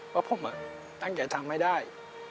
ว่าผมตั้งใจทำให้ได้